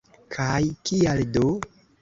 Kaj kial do?